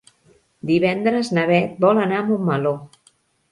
Divendres na Beth vol anar a Montmeló.